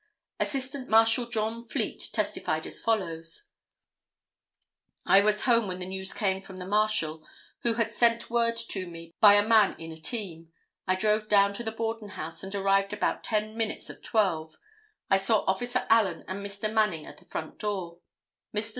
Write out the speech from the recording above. Assistant Marshal John Fleet testified as follows: "I was home when the news came from the Marshal, who had sent word to me by a man in a team. I drove down to the Borden house and arrived about ten minutes of 12. I saw officer Allen and Mr. Manning at the front door. Mr.